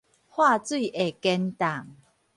喝水會堅凍